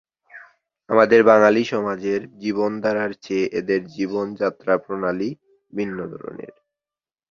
আমাদের বাঙালী সমাজের জীবন ধারার চেয়ে এদের জীবন যাত্রা প্রণালী ভিন্ন ধরনের।